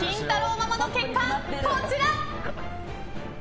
ママの結果こちら！